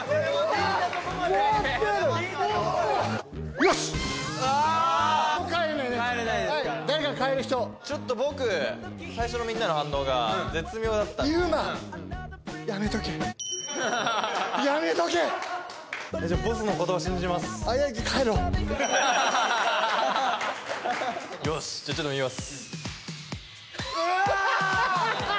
よしじゃあちょっと見ます。